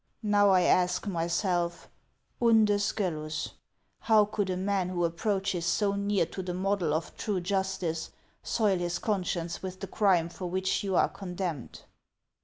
Now I ask myself, — unde scelus ?— how could a man who approaches so near to the model of true jus tice soil his conscience with the crime for which you are condemned